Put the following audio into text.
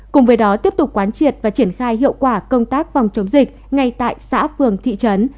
cùng với đó tiếp tục quán triệt và triển khai hiệu quả công tác phòng chống dịch ngay tại xã phường thị trấn